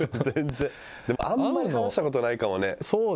あんまり話したことないかもね。